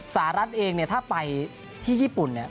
สหรัฐเองถ้าไปที่ญี่ปุ่น